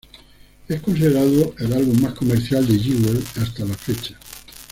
Es considerado el álbum más comercial de Jewel hasta la fecha.